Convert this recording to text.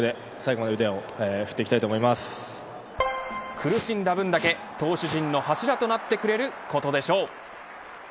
苦しんだ分だけ投手陣の柱となってくれることでしょう。